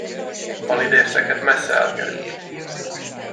A lidérceket messze elkerüld!